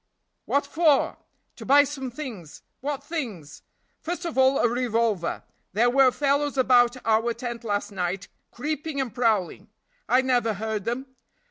"What for?" "To buy some things." "What things?" "First of all, a revolver; there were fellows about our tent last night, creeping and prowling." "I never heard them."